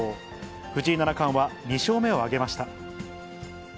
藤井七冠は２勝目を挙げました。